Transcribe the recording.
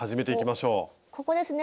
ここですね